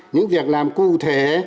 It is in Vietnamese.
những việc làm cụ thể